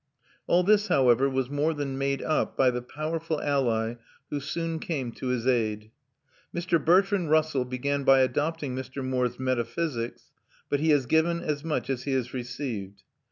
All this, however, was more than made up by the powerful ally who soon came to his aid. Mr. Bertrand Russell began by adopting Mr. Moore's metaphysics, but he has given as much as he has received.